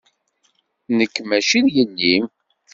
Nekk maci d yelli-m.